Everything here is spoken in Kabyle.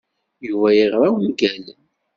Yuba yeɣra ungalen.